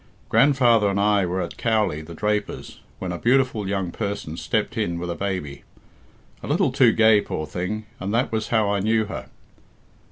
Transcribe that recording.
Grandfather and I were at Cowley, the draper's, when a beautiful young person stepped in with a baby. A little too gay, poor thing, and that was how I knew her."